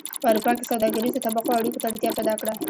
په اروپا کې سوداګریزو طبقو اړیکو ته اړتیا پیدا کړه